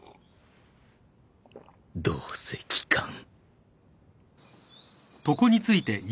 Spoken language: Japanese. どうせ効かん